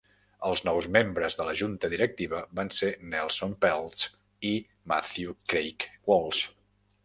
Els nous membres de la junta directiva van ser Nelson Peltz i Matthew Craig Walsh.